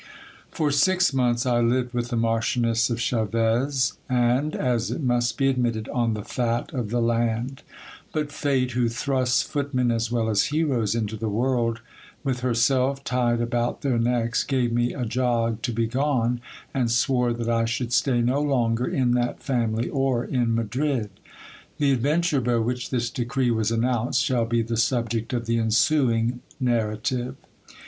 For six months I lived with the Marchioness of Chaves, and, as it must be ad mitted, on the fat of the land. But fate, who thrusts footmen as well as heroes into the world, with herself tied about their necks, gave me a jog to be gone, and swore that I should stay no longer in that family or in Madrid. The ad venture by which this decree was announced shall be the subject of the ensuing narrative.